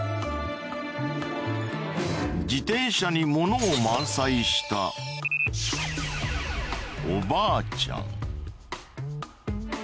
自転車にものを満載したおばあちゃん。